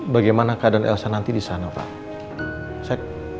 bagaimana keadaan elsa nanti di sana pak